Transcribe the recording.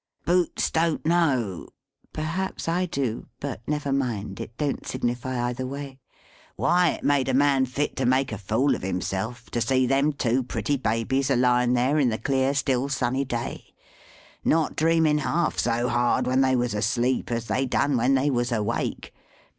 Boots don't know perhaps I do, but never mind, it don't signify either way why it made a man fit to make a fool of himself to see them two pretty babies a lying there in the clear still sunny day, not dreaming half so hard when they was asleep as they done when they was awake.